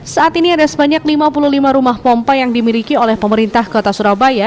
saat ini ada sebanyak lima puluh lima rumah pompa yang dimiliki oleh pemerintah kota surabaya